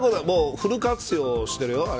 フル活用してるよ。